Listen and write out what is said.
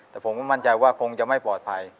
แต่ผมก็มั่นใจว่าคงจะไม่ปลอดภัย